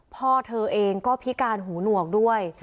พ่อเธอเองก็พิการหูหนวกด้วย